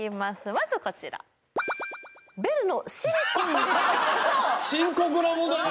まずはこちら深刻な問題だね